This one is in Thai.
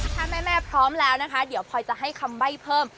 ถ้าแม่พร้อมแล้วนะคะเดี๋ยวพลอยจะให้คำใบ้เพิ่ม